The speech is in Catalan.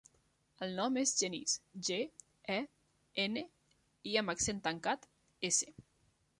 El nom és Genís: ge, e, ena, i amb accent tancat, essa.